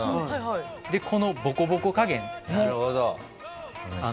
でこのボコボコ加減も。